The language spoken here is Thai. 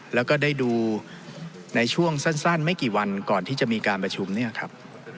แล้วก็ได้ดูในช่วงสั้นไม่กี่วันก่อนที่จะมีการประชุมเนี่ยครับ